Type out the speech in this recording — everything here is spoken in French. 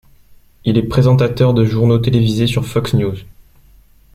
Il est présentateur de journaux télévisés sur Fox News.